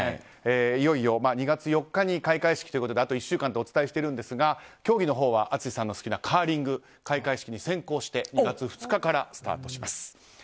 いよいよ２月４日に開会式ということであと１週間とお伝えしているんですが競技のほうは淳さんの好きなカーリング開会式に先行して２月２日からスタートします。